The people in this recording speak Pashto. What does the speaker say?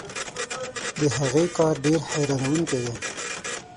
د هغې کار ډېر حیرانوونکی دی.